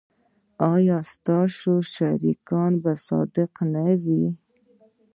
ایا ستاسو شریکان به صادق نه وي؟